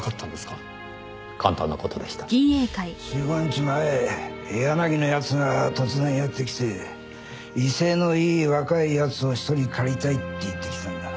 ４５日前柳の奴が突然やって来て威勢のいい若い奴を１人借りたいって言ってきたんだ。